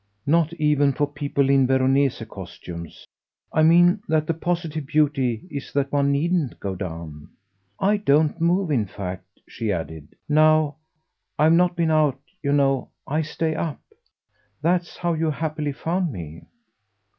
"Not even for people in Veronese costumes. I mean that the positive beauty is that one needn't go down. I don't move in fact," she added "now. I've not been out, you know. I stay up. That's how you happily found me."